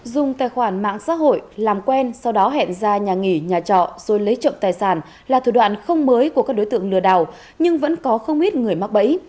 dùng tài khoản mạng xã hội làm quen sau đó hẹn ra nhà nghỉ nhà trọ rồi lấy trộm tài sản là thủ đoạn không mới của các đối tượng lừa đảo nhưng vẫn có không ít người mắc bẫy